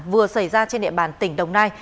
vừa xảy ra trên địa bàn tỉnh đồng nai